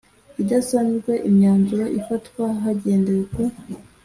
idasanzwe imyanzuro ifatwa hagendewe ku